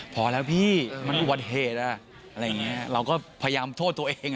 พอแล้วพี่มันอุบัติเหตุอะไรอย่างนี้เราก็พยายามโทษตัวเอง